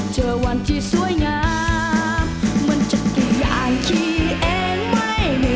ใครมาลากไป